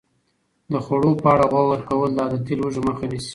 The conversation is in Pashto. د خوړو په اړه غور کول د عادتي لوږې مخه نیسي.